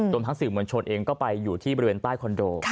ทั้งสื่อมวลชนเองก็ไปอยู่ที่บริเวณใต้คอนโด